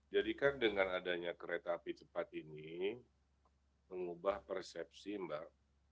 jadi kan dengan adanya kereta api cepat ini mengubah persepsi mbak